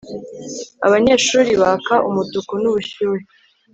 abanyeshuri baka umutuku n'ubushyuhe